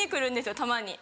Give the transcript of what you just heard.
たまに。